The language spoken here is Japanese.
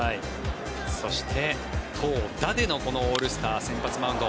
そして投打でのこのオールスター先発マウンド。